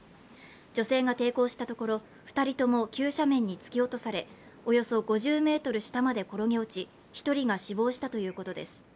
女性が抵抗したところ、２人とも急斜面に突き落とされおよそ５０ｍ下まで転げ落ち１人が死亡したということです。